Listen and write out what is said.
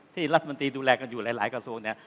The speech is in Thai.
รัฐมนตรีดูแลกันอยู่หลายกระทรวงเนี่ย